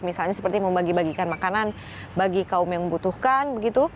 misalnya seperti membagi bagikan makanan bagi kaum yang membutuhkan